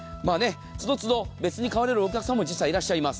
都度都度、別に買われるお客さんもいらっしゃいます。